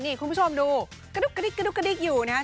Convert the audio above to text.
นี่คุณผู้ชมดูกระดูกอยู่นะฮะ